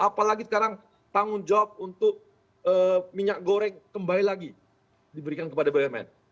apalagi sekarang tanggung jawab untuk minyak goreng kembali lagi diberikan kepada bumn